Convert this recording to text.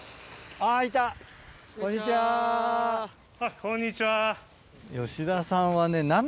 あっこんにちは。